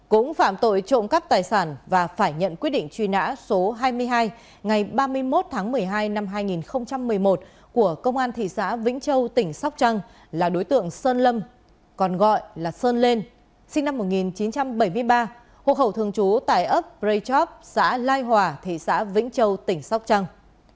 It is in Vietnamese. cũng phạm tội trộm cắt tài sản và phải nhận quyết định truy nã số hai mươi hai ngày ba mươi một tháng một mươi hai năm hai nghìn một mươi một của công an thị xã vĩnh châu tỉnh sóc trăng là đối tượng sơn lâm còn gọi là sơn lên sinh năm một nghìn chín trăm bảy mươi ba hộ khẩu thương chú tại ấp prey chop xã lai hòa thị xã vĩnh châu tỉnh sóc trăng